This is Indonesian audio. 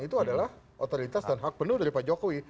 itu adalah otoritas dan hak penuh dari pak jokowi